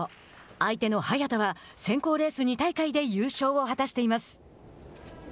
相手の早田は選考レース２大会で優勝を果たしています。